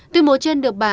từ mùa trên được bà